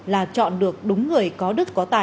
là chọn được đúng người có đức có tài